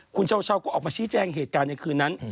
คุณเช้าก็ออกมาชี้แจงเหตุการณ์ในคืนนั้น